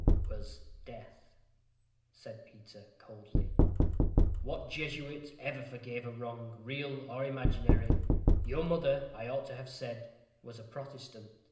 "Was death," replied Peter, coldly. "What Jesuit ever forgave a wrong real or imaginary? Your mother, I ought to have said, was a Protestant.